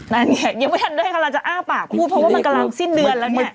นั่นไงยังไม่ทันได้กำลังจะอ้าปากพูดเพราะว่ามันกำลังสิ้นเดือนแล้วเนี่ย